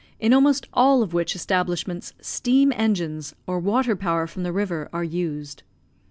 in almost all of which establishments steam engines, or water power from the river, are used.